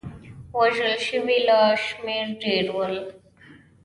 وژل شوي له شمېر ډېر شول.